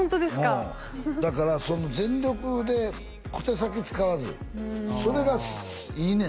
おうだからその全力で小手先使わずそれがいいね